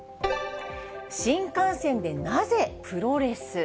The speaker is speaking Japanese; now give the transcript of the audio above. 新幹線でなぜプロレス？